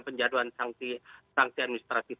penjaduhan sanksi administratif